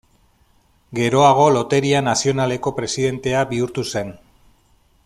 Geroago loteria nazionaleko presidentea bihurtu zen.